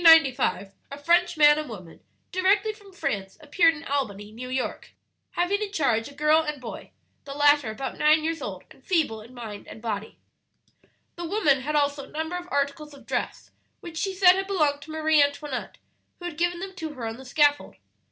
"In 1795 a French man and woman, directly from France, appeared in Albany, New York, having in charge a girl and boy; the latter about nine years old, and feeble in body and mind. "The woman had also a number of articles of dress which she said had belonged to Marie Antoinette, who had given them to her on the scaffold.